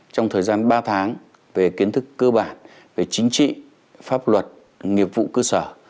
trong thời gian ba tháng về kiến thức cơ bản về chính trị pháp luật nghiệp vụ cơ sở